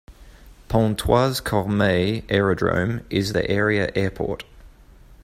Pontoise - Cormeilles Aerodrome is the area airport.